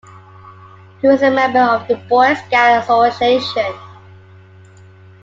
He was a member of the Boy Scout Association.